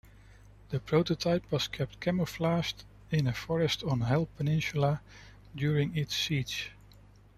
The prototype was kept camouflaged in a forest on Hel Peninsula during its siege.